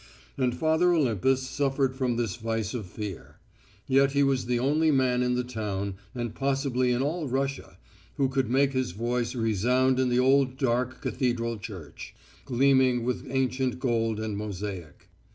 And Father Olympus suffered from this vice of fear. Yet he was the only man in the town, and possibly in all Russia, who could make his voice resound in the old dark cathedral church, gleaming with ancient gold and mosaic.